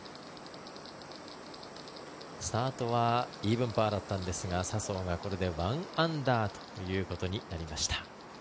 スタートはイーブンパーだったんですが笹生がこれで１アンダーということになりました。